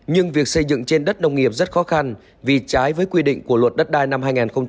nhưng việc xây dựng trên đất nông nghiệp rất khó khăn vì trái với quy định của luật đất đai năm hai nghìn một mươi ba